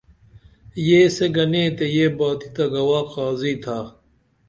یسے گنے تے یہ باتی تہ گواہ قاضی تھا